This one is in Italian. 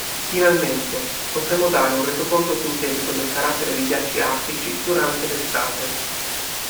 Finalmente, potremo dare un resoconto sintetico del carattere dei ghiacci artici durante l'estate.